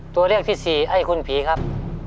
ตัวเลือกที่สี่ไอ้คนผีครับ